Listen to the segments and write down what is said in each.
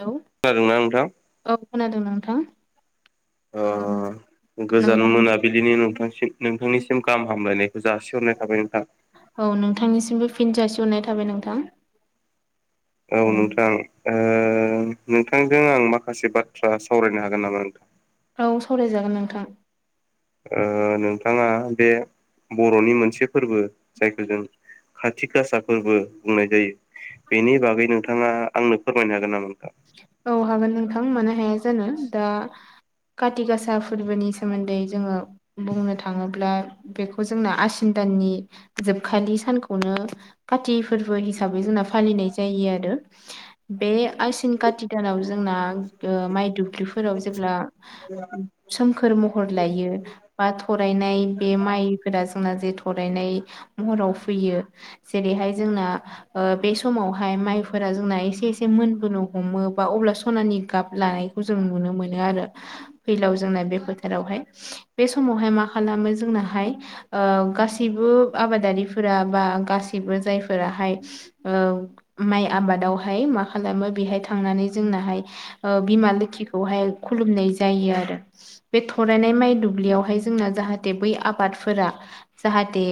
Hello खोनादों ना नोंथां? औ खोनादों नोंथां। ओ अ गोजान नोंथां मोनाब बिदिनो नोंथांसिम नोंथांनिसिम गाहाम हामलायनायखौ जासिहरनाय थाबाय नोंथां। औ नोंथांनिसिमबो फिन जासिहरनाय थाबाय नोंथां। औ नोंथां नोंथांजों आं माखासे बाथ्रा सावरायनो हागोन नामा नोंथां? औ सावरायजागोन नोंथां। नोंथाङा बे बर'नि मोनसे फोरबो जायखौ जों खाथि खासा फोरबो बुंनाय जायो। बेनि बागै नोंथाङा आंनो फोरमायनो हागोन नामा नोंथां? औ हागोन नोंथां मानो हाया जानो दा काति गासा फोरबोनि सोमोन्दै जोङो बुंनो थाङोब्ला बेखौ जोंना आसिन दाननि जोबखालि सानखौनो कति फोरबो हिसाबै जोंना फालिनाय जायो आरो बे तिन खाति दानाव जोंना माइ दुब्लिफोराव जेब्ला सोमखोर महर लायो। बा थरायनाय बे माइफोरा जोंना जे थरायनाय महराव फैयो। जेरैहाय जोंना बे समावहाय माइफोरा जोंना एसे एसे मोनबोनो ह हमो बा अब्ला सनानि गाब लानायखौ जों नुनो मोनो आरो। फैलाव जोंना बे फोथारावहाय बे समावहाय मा खालामो जोंनाहाय गासैबो आबादारिफोरा बा गासैबो जायफोराहाय माइ आबादावहाय मा खालामो बेहाय थांनानै जोंनाहाय बिमा लोखिखौहाय खुलुमनाय जायो आरो। बे थरायनाय माइ दुब्लियावहाय जोंना जाहाथे बै आबादफोरा जाहाथे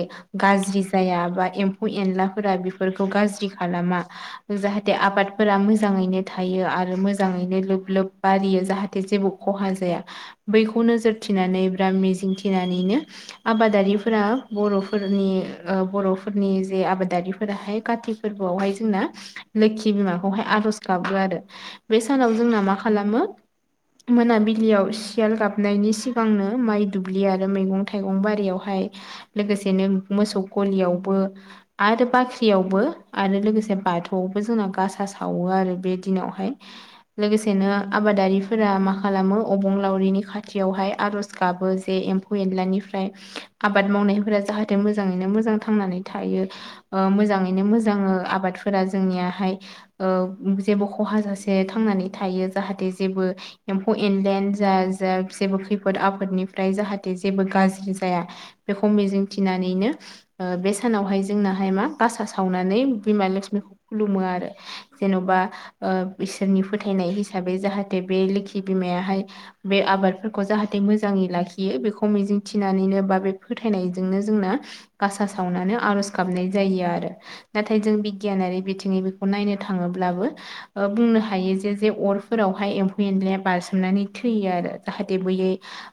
गाज्रि जाया बा एम्फौ एनलाफोरा बेफोरखौ गाज्रि खालामा जाहाथे आबादफोरा मोजाङैनो थायो आरो मोजाङैनो लोब-लोब बारियो जाहाथे जेबो खहा जाया बैखौ नोजोर थिनानै बा मिजिं थिनानैनो। आबादारिफोरा बर'फोरनि ओ बर'फोरनि जे आबादारिफोराहाय कथि फोरबोआवहाय जोंना लोखि बिमाखौहाय आर'ज गाबो आरो बे सानाव जोंना मा खालामो मोनाबिलियाव सियाल गाबनायनि सिगांनो माइ दुब्लि आरो मैगं थाइगं बारियावहाय लोगोसेनो मोसौ गलियावबो। आरो बाख्रियावबो आरो लोगोसे बाथौआवबो जोंना गासा सावो आरो। बे दिनावहाय। लोगोसेनो आबादारिफोरा मा खालामो अबं लावरिनि खाथियावहाय आर'ज गाबो जे एम्फौ एनलानिफ्राय आबाद मावनायफोरा जाहाथे मोजाङैनो मोजां थांनानै थायो। ओ मोजाङैनो मोजां आबादफोरा जोंनियाहाय ओ जेबो खहा जासे थांनानै थायो जाहाथे जेबो। एम्फौ एनलायोनो जा जा जेबो खैफोद आफोदनिफ्राय जाहाथे जेबो गाज्रि जाया। बेखौ मिजिं थिनानैनो। ओ बे सानावहाय जोंनाहाय मा गासा सावनानै बिमा लक्ष्मिखौ खुलुमो आरो। जेन'बा ओ इसोरनि फोथायनाय हिसाबै जाहाथे बे लोखि बिमायाहाय। बे आबादफोरखौ जाहाथे मोजाङै लाखियो बेखौ मिजिं थिनानैनो बा बे फोथायनायजोंनो जोंना। गासा सावनानै आर'ज गाबनाय जायो आरो नाथाय जों बिगियानारि बिथिङै बेखौ नायनो थाङोब्लाबो। ओ बुंनो हायो जे जे अरफोरावहाय एम्फौ एनलाया बारसोमनानै थैयो आरो जाहाथे बै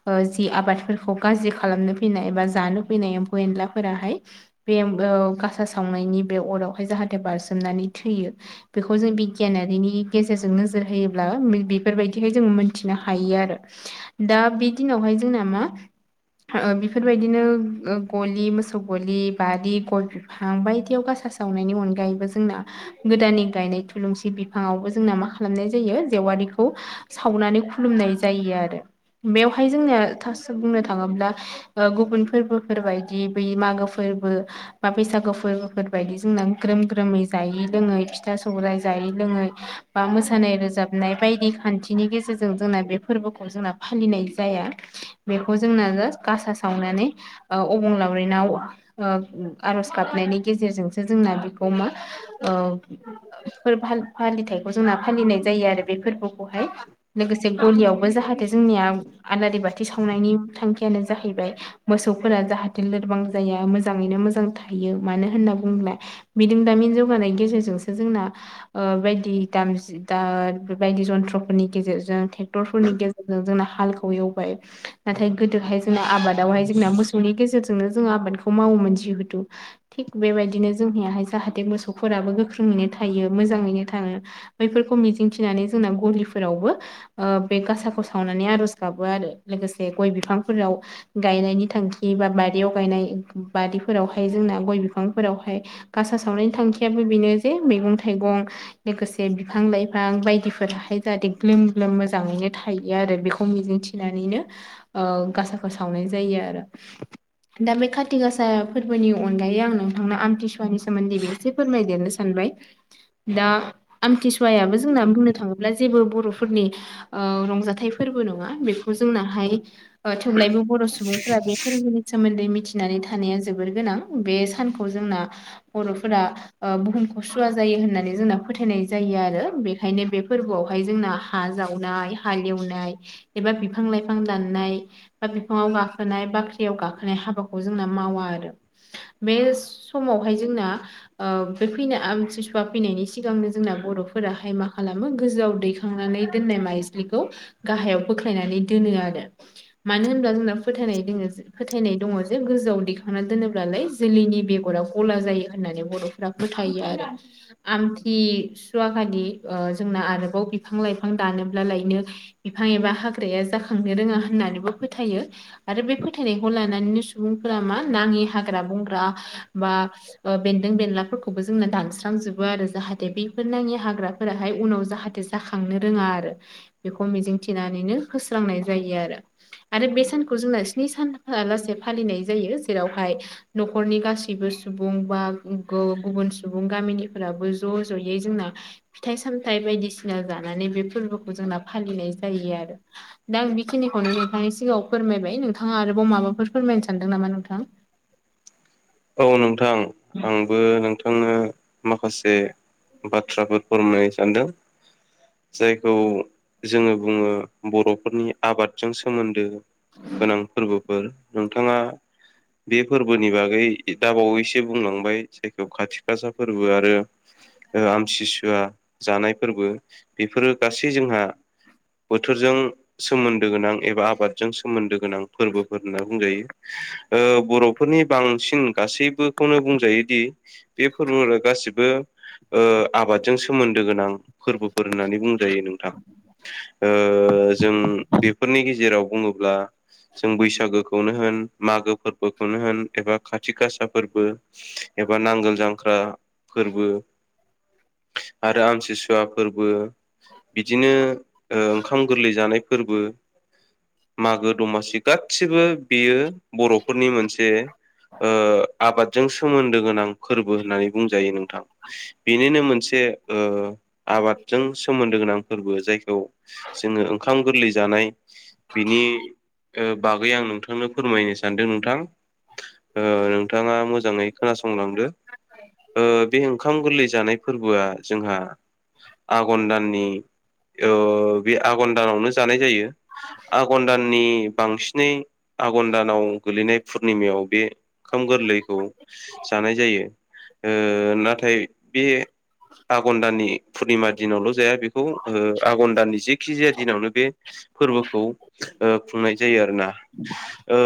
ओ जि आबादफोरखौ गाज्रि खालामनो फैनाय बा जानो फैनाय एम्फौ एनलाफोराहाय। बे ओ गासा सावनायनि बे अरावहाय जाहाथे बारसोमनानै थैयो। बेखौ जों बिगियानारिनि गेजेरजों नोजोर होयोब्ला बेफोरबायदिहाय जों मोन थिनो हायो आरो दा बे दिनावहाय जोंना मा। बेफोरबायदिनो गलि मोसौ गलि बारि गय हां बायदियाव गासा सावनायनि अनगायैबो जोंना गोदाननि गायनाय थुलुंसि बिफांङावबो जोंना मा खालामनाय जायो जेवारिखौ सावनानै खुलुमनाय जायो आरो बेवहाय जोंना फास बुंनो थांङोब्ला। ओ गुबुन फोरबोफोर बायदि बै मागो फोर्बो। बा बैसागु फोरबोफोर बायदि जोंना ग्रोम ग्रोमै जायि लोङै फिथा सौराइ जायै लोङै बा मोसानाय रोजाबनाय बायदि खान्थिनि गेजेरजों जोंना बेफो फोर्बोखौ जोंना फालिनाय जाया बेखौ जोंना जास गासा सावनानै। ओ अबं लावरि नाव ओ आर'ज गाबनायनि गेजेरजोंसो जोंना बेखौ मा ओ ओ फोर फाल फालिथायखौ जोंना फालिनाय जायो आरो बे फोरबोखौहाय। लोगोसे गलियावबो जाहाथे जोंनिया आलारि बाथि सावनायनि थांखियानो जाहैबाय। मोसौफोरा जाहाथे लोरबां जाया मोजाङैनो मोजां थायो मानो होनना बुंब्ला बिदि दामिन जौगानायनि गेजेरजोंसो जोंना। ओ बायदि दाम दा बे बायदि जन्थ्र फोरनि गेजेरजों ट्रेक्टरफोरनि गेजे जोंना हालखौ एवबाय। नाथाय गोदोहाय जोंना आबादावहाय जोंना मोसौनि गेजेरजोंनो जोंङो आबादखौ मावोमोन जिहेथु। थिग बेबायदिनो जोंनियाहाय जाहाथे मोसौफोराबो गोख्रोङैनो थायो मोजाङैनो थांङो। बैफोरखौ मिजिंथिनानै जोंना गलिफोरावबो। ओ बे गासाखौ सावनानै आर'ज गाबो आरो लोगोसे गय बिफांफोराव। गायनायनि थांखि बा बारियाव गायनाय बारिफोरावहाय जोंना गय बिफांफोरावहाय। गासा सावनायनि थांखियाबो बेनो जे मैगं थाइगं लोगोसे बिफां लाइफां बायदिफोराहाय जाहाथे ग्लोम-ग्लोम मोजाङैनो थायो आरो बेखौ मिजिंथि नानैनो ओ गासाखौ सावनाय जायो आरो। दा बे खाथि गासा फोर्बोनि अनगायै आं नोंथांनो आमथिसुवानि सोमोन्दैबो एसे फोरमायदेरनो सानबाय दा आमथिसुवायाबो जोंना बुंनो थांङोब्ला जेबो बर'फोरनि ओ रंजाथाइ फोरबो नंङा बेखौ जोंनाहाय थेव्लायबो बर' सुबुंफोरा बेफोर मि सोमोन्दै मिथिनानै थानाया जोबोर गोनां बे सानखौ जोंना बर'फोरा ओ बुहुमखौ सुवा जायो होननानै जोंना फोथायनाय जायो आरो बेखायनो बे फोरबोआवहाय जोंना आजावनाय हालेवनाय एबा बिफां लाइफां दाननाय बा बिफाङाव गाखोनाय बाख्रियाव गाखोनाय हाबाखौ जोंना मावा आरो बे समावहाय जोंना बे फैनाय आमथिसुवा फैनायनि सिगांनो जोंना बर'फोराहाय मा खालामो गोजौआव दैखा खांनानै दोननाय माइस्लिखौ गाहायाव बोख्लायनानै दोनो आरो मानो होनोब्ला जोंना फोथायनाय दोंङो ज फोथायनाय दंङो जे गोजौआव दैखांना दोनोब्लालाय जोलैनि बेगरा गला जायो होननानै बर'फोरा फोथायो आरो आमथिसुवाखलि जोंना आरोबाव बिफां लाइफां दानोब्ला लायनो बिफां एबा हाग्राया जाखांनो रोंङा होननानैबो फोथायो आरो बे फोथायनायखौ लानानैनो सुबुंफोरा मा नाङि हाग्रा बंग्रा बा अ बे बेलाफोरखौबो जोंना दानस्रांजोबो आरो जाहाथे बैफोर नाङि हाग्राफोराहाय उनाव जाहाथे जाखांनो रोंङा आरो बेखौ मिजिंथिनानैनो होस्रांनाय जायो आरो आरो बे सानखौ जोंनो स्नि सान लासे फालिनाय जायो जेरावहाय न'खरनि गासैबो सुबुं बा गुबुन सुबुं गामिनिफोराबो ज' ज'यै जोंना फिथाइ सामथाय बायदिसिना जानानै बे फोरबोखौ जोंना फालिनाय जायो आरो दा आं बेखिनिखौनो नोंथांनि सिगाङाव फोरमायबाय नोंथाङा आरोबाव माबाफोर फोरमायनो सानदों नामा नोंथां औ नोंथां आंबो नोंथांनो माखासे बाथ्राफोर फोरमायनो सानदों। जायखौ जोङो बुङो बर'फोरनि आबादजों सोमोन्दो गोनां फोरबोफोर नोंथाङा बे फोरबोनि बागै दाबावैसो‌ बुंलांबाय जायखौहाय खाथि खासा फोरबो आरो आमसिसुवा जानाय फोरबो बेफोरो गासै जोंहा बोथोरजों सोमोन्दो गोनां एबा आबाद जों सोमोन्दो गोनां फोरबोफोर होनना बुंजायो बर'फोरनि बांसिन गासैबोखौनो बुंजायोदि बे फोरबोफोरा गासिबो ओ‌ आबादजों सोमोन्दो गोनां फोरबोफोर होननानै बुंजायो नोंथां ओ‌ जों बेफोरनि गेजेराव बुंङोब्ला जों बैसागोखौनो होन मागो फोरबोखौनो होन एबा खा थिखासा फोरबो एबा नांगोल जांख्रा फोरबो आरो आमथिसुवा फोरबो बिदिनो ओंखाम गोरलै जानाय फोरबो मागो दमासि गासिबो बेयो बर'फोरनि मोनसे ओ आबादजों सोमोन्दो गोनां फोरबो होननानै बुंजायो नोंथां बेनिनो मोनसेओ‌ आबादजों सोमोन्दो गोनां फोरबो जायखौ जोंङो ओंखाम गोरलै जानाय बिनि बागै आं नोंथांनो फोरमायनो सानदों नोंथां ओ नोंथाङा मोजाङै खोनासंलांदो बे ओंखाम गोरलै जानाय फोरबोआ जोंहा आघन दाननि ओ बे आघन दानावनो जानाय जायो आघन दाननि बांसिनै आघन दानाव गोलैनाय पुर्निमायाव बे ओंखाम गोरलैखौ जानाय जायो ओ नाथाय बे आघन दाननि पुर्निमा दिनावल' जाया बेखौ ओ आघन दाननि जेखि जाया दिनावनो बे फोरबोखौ ओ खुंनाय जायो आरोना ओ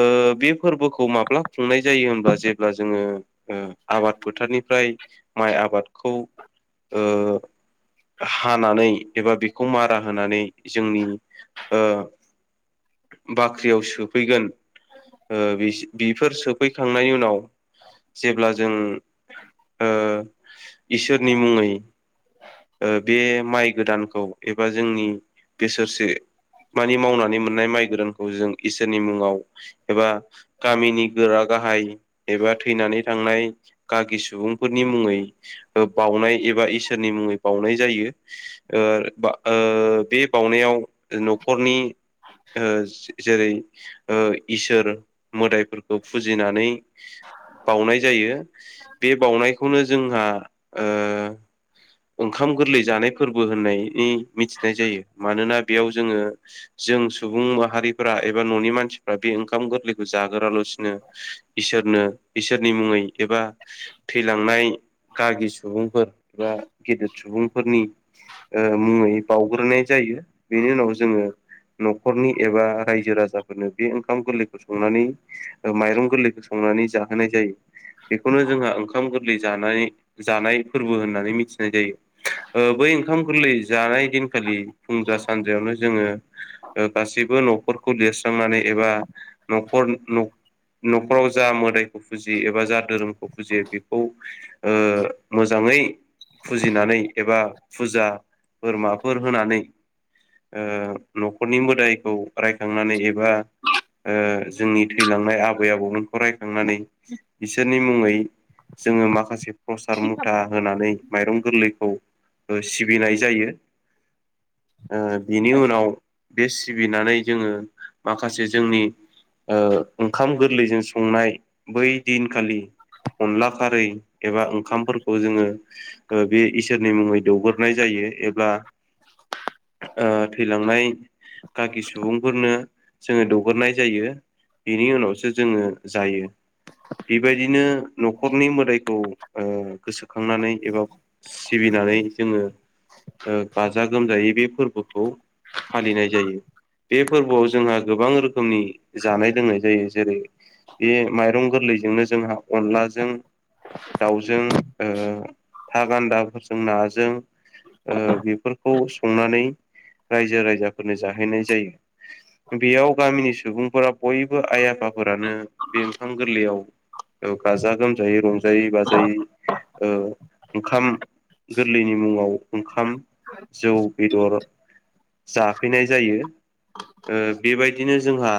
बे फोरबोखौ माब्ला खुंनाय जायो होमब्ला जेब्ला जोङो ओ आबाद फोथारनिफ्राय माइ आबादखौ ओ हानानै एबा बेखौ मारा होनानै जोंनि ओ बाख्रियाव सोफैगोन ओ बि बेफोर सोफैखांनायनि उनाव जेब्ला जों ओ इसोरनि मुङै ओ बे माइ गोदानखौ एबा जोंनि बोसोरसे मानि मावनानै मोननाय माइ गोरानखौ जों इसोरनि मुङाव एबा गामिनि गोरा गाहाय एबा थैनानै थांनाय गागि सुबुंफोरनि मुङै ओ बाउनाय एबा इसोरनि मुङै बावउनाय जायो। ओ बे बावनायाव न'खरनि ओ जेरै ओ इसोर मोदायफोरखौ फुजिनानै बाउनाय जायो बे बानायखौनो जोंहा ओ ओंखाम गोरलै जानाय फोरबो होननायनि मिथिनाय जायो मानोना बेयाव जोङो जों सुबुं माहारिफोरा एबा न'नि मानसि मानसिफ्रा बे ओंखाम गोरलैखौ जागोराला'सिनो इसोरनो इसोरनि मुङै एबा थैलांनाय गागि सुबुंफोर एबा गेदेर सुबुंफोरनि ओ मुङै बावउग्रोनाय जायो बेनि उनाव जोङो न'खरनि एबा रायजो राजाफोरनो बे ओंखाम गोरलैखौ संनानै ओ माइरं गोरलैखौ संनानै जाहोनाय जायो। बेखौनो जोंहा ओंखाम गोरलै जानाय जानाय फोरबो होननानै मिथियो। बै ओंखाम गोरलै जानाय दिनखालि फुंजा सानजायावनो जोङो ओ गासैबो न'खरखौ लिरस्रांनानै एबा न'खर नख न'खराव जा मोदायखौ फुजियो एबा जा धोरोम फुजियो बेखौ ओ मोजाङै फुजिनानै एबा फुजा बोरमाफोर होनानै ओ न'खरनि मोदायखौ रायखांनानै एबा ओ जोंनि थैलांनाय आबै आबौमोनखौ रायखांनानै बिसोरनि मुङै जोङो माखासे प्रसाद मुथा होनानै माइरं गोरलैखौ ओ सिबिनाय जायो। ओ बिनि उनाव बे सिबिनानै जोङो माखासे जोंनि ओ ओंखाम गोरलैजों संनाय बै दिनखालि अनला खारै एबा ओंखामफोरखौ जोङो ओ बे इसोरनि मुङै दौगोरनाय जायो एबा ओ थैलांनाय गाखि सुबुंफोरनो जोङो दौग्रोनाय जायो। बेनि उनावसो जोङो जायो। बेबायदिनो न'खरनि मोदायखौ ओ गोसोखांनानै एबा सिबिनानै जोङो ओ गाजा गोमजायै बे फोरबोखौ फालिनाय जायो। बे फोरबोआव जोंहा गोबां रोखोमनि जानाय लोंनाय जायो जेरै बे माइरं गोरलैजोंनो जोंहा अनलाजों दाउजों ओ था गान्दाफोरजों नाजों ओ बेफोरखौ संनानै रायजो राजाफोरनो जाहैनाय जायो। बेयाव गामिनि सुबुंफोरा बयबो आइ आफाफोरानो बे ओंखाम गोरलैयाव औ गाजा गोमजायै रंजायै बाजायै ओ ओंखाम गोरलैनि मुङाव ओंखाम जौ बेदर जाफैनाय जायो बेबायदिनो जोंहा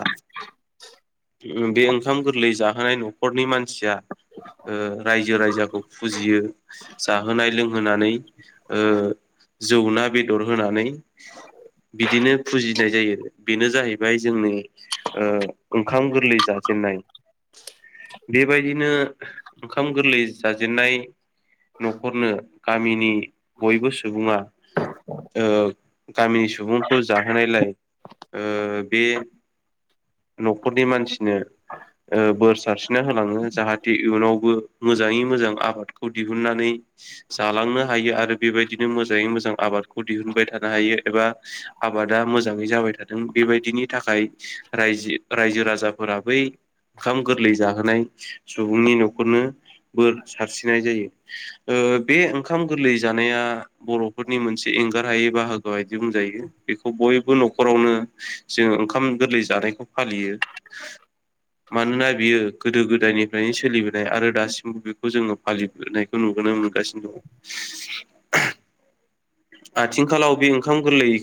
बे ओंखाम गोरलै जाहोनाय न'खरनि मानसिया रायजो राजाखौ फुजियो जाहोनाय लोंहोनानै जौ ना बेदर होनानै बिदिनो फुजिनाय जायो बेनो जाहैबाय जोंनि ओंखाम गोरलै जाजेनन्नाय बेबायदिनो ओंखाम गोरलै जाजेेननाय न'खरनो गामिनि बयबो सुबुङा गामिनि सुबुंखौ जाहोनायलाय बे न'खरनि मानसिनो बोर सारस्रिना होलाङो जाहाथे इयुनावबो मोजाङै मोजां आबादखौ दिहुननानै जालांनो हायो आरो बेबायदिनो मोजाङै मोजां आबादखौ दिहुनबाय थानो हायो एबा आबादा मोजाङै जाबाय थादों बेबायदिनि थाखाय रायजि रायजो राजाफोरा बै खाम गोरलै जाहोनाय सुबुंनि न'खरनो बोर सारस्रिनाय जायो ओ बे ओंखाम गोरलै जानाया बर'फोरनि मोनसे एंगार हायै बाहागो बायदि बुंजायो। बेखौ बयबो न'खरावनो जोङो ओंखाम गोरलै जानायखौ फालियो। मानोना बियो गोदो गोदायनिफ्रायनो सोलिबोनाय आरो दासिमबो बेखौ जोङो फालिबोनाय नुबोनो मोनगासिनो दङ। आथिंखालाव बे ओंखाम गोरलै